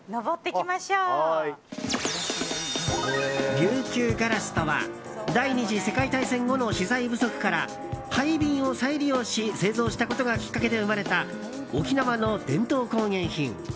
琉球ガラスとは第２次世界大戦後の資材不足から廃瓶を再利用し製造したことがきっかけで生まれた沖縄の伝統工芸品。